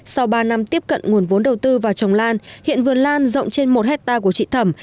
sau ba năm tiếp cận nguồn vốn đầu tư vào trồng lan hiện vườn lan rộng trên một hectare của chị thẩm